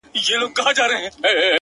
نوره به دي زه له ياده وباسم؛